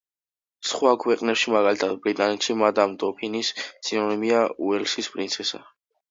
სხვა ქვეყნებში, მაგალითად ბრიტანეთში, მადამ დოფინის სინონიმია უელსის პრინცესა.